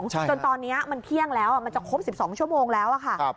จนตอนนี้มันเที่ยงแล้วมันจะครบ๑๒ชั่วโมงแล้วค่ะ